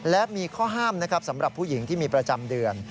และมีข้อห้ามนะครับสำหรับผู้หญิงที่มีประจำเดือน